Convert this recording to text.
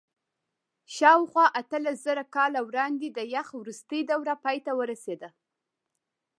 شاوخوا اتلسزره کاله وړاندې د یخ وروستۍ دوره پای ته ورسېده.